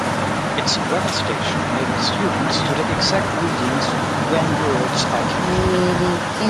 Its weather station enables students to take exact readings when birds are captured.